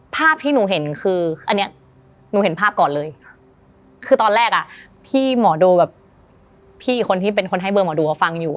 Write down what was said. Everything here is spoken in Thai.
ภาพที่หนูเห็นคืออันนี้หนูเห็นภาพก่อนเลยคือตอนแรกอ่ะพี่หมอดูกับพี่อีกคนที่เป็นคนให้เบอร์หมอดูเขาฟังอยู่